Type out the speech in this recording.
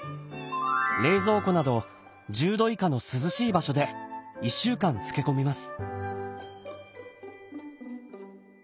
冷蔵庫など１０度以下の涼しい場所で１週間漬け込みます。